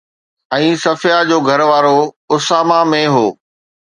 ۽ صفيه جو گهروارو اسامه ۾ هو